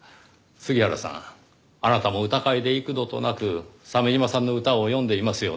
杉原さんあなたも歌会で幾度となく鮫島さんの歌を詠んでいますよね。